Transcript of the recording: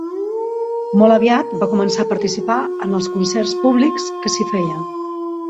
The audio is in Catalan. Molt aviat va començar a participar en els concerts públics que s'hi feien.